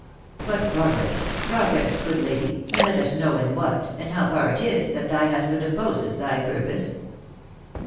But progress, progress, good lady, and let us know in what, and how far it is, that thy husband opposes thy purpose